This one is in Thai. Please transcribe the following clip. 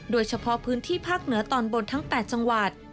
โดยเฉพาะพื้นที่ภาคเหนือตอนบนทั้ง๘จังหวัด